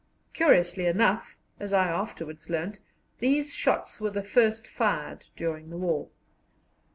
Curiously enough, as I afterwards learnt, these shots were the first fired during the war.